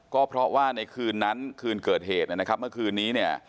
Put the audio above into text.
ก็เพราะว่าในคืนนั้นคืนเกิดเหตุนะครับเมื่อคืนนี้เนี่ย